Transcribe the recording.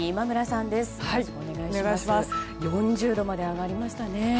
４０度まで上がりましたね。